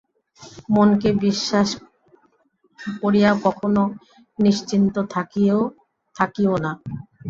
মনকে বিশ্বাস করিয়া কখনও নিশ্চিন্ত থাকিও না।